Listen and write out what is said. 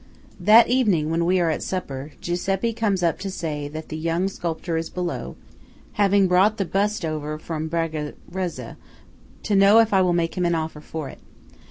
That evening when we are at supper, Giuseppe comes up to say that the young sculptor is below, having brought the bust over from Bragarezza, to know if I will make him an offer for it.